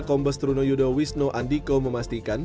kompes trunoyudo wisno andiko memastikan